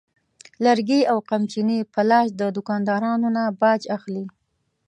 لرګي او قمچینې په لاس د دوکاندارانو نه باج اخلي.